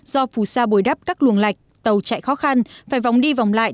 do phù sa bồi đắp các luồng lạch tàu chạy khó khăn phải vòng đi vòng lại